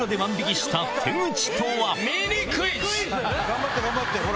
頑張って！